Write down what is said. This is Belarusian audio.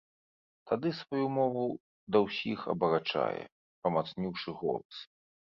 Тады сваю мову да ўсіх абарачае, памацніўшы голас.